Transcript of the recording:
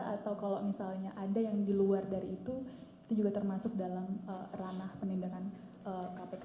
atau kalau misalnya ada yang di luar dari itu itu juga termasuk dalam ranah penindakan kpk